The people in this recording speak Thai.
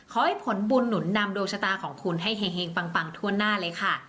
ขอให้ผลบุญหนุนนำดวงชะตาของคุณให้เฮงปังทั่วหน้าเลยค่ะ